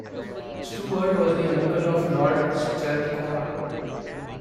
Stuart was the uncle of Lord Strathcona.